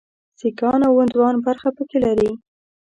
سیکهان او هندوان برخه پکې لري.